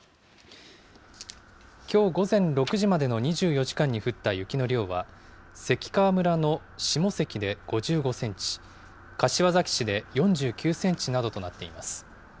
きょう午前６時までの２４時間に降った雪の量は、関川村の下関で５５センチ、柏崎市で４９センチなどとなっています。